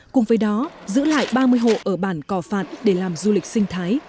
cùng với đó giữ lại ba mươi hộ ở bản cò phạn để làm du lịch sinh thái